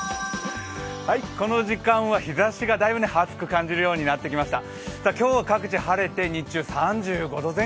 この時間は日ざしがだいぶ暑く感じるようになりました。